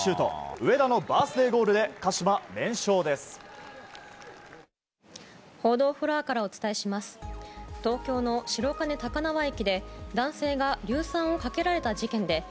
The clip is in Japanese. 上田のバースデーゴールで鹿島、連勝です。